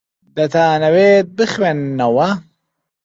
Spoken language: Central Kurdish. دەتانەوێت بخوێننەوە؟